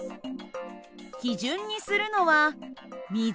基準にするのは水。